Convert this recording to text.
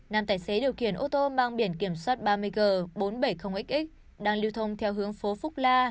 nam tài xế điều khiển ô tô mang biển kiểm soát ba mươi g bốn trăm bảy mươi x đang lưu thông theo hướng phố phúc la